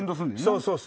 そうそう！